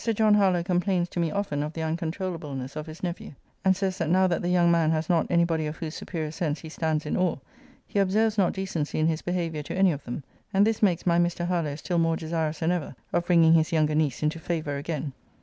John Harlowe complains to me often of the uncontroulableness of his nephew; and says, that now that the young man has not any body of whose superior sense he stands in awe, he observes not decency in his behaviour to any of them, and this makes my Mr. Harlowe still more desirous than ever of bringing his younger niece into favour again.